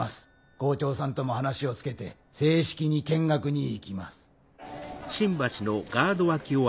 校長さんとも話をつけて正式に見学に行きます。